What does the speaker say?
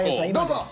どうぞ。